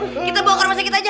kita bawa ke rumah sakit aja